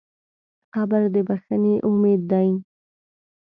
قبر د بښنې امید دی.